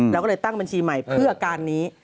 เราก็เลยตั้งบัญชีใหม่เพื่อการนี้